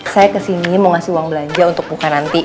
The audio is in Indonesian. saya kesini mau ngasih uang belanja untuk buka nanti